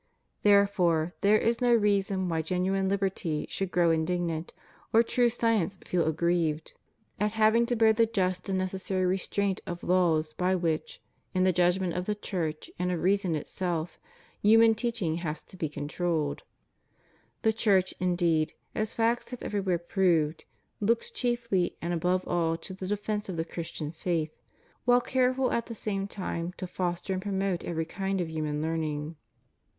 ^ There fore there is no reason why genuine liberty should grow indignant, or true science feel aggrieved, at having to »John vi. 45. 'John viii, 32. HUMAN LIBERTY. 155 bear the just and necessary restraint of laws by which, in the judgment of the Church and of Reason itself, human teaching has to be controlled. The Church, indeed — as facts have everywhere proved — looks chiefly and above all to the defence of the Christian faith, while careful at the same time to foster and promote every kind of human learning.